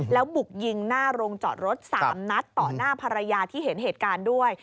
แล้วบุกยิงหน้าโรงจอดรถ๓นัดต่อหน้าภรรยาที่เห็นเหตุการณ์ด้วย